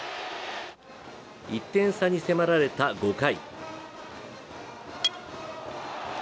１点差に迫られた５回。